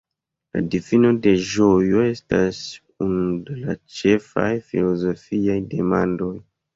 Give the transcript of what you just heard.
La difino de ĝojo estas unu de la ĉefaj filozofiaj demandoj.